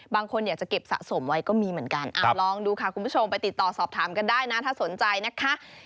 บางคนอยากจะเก็บสะสมไว้ก็มีเหมือนกันลองดูค่ะคุณผู้ชมไปติดต่อสอบถามกันได้นะถ้าสนใจนะคะ